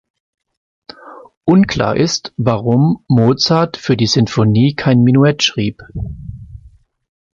Unklar ist, warum Mozart für die Sinfonie kein Menuett schrieb.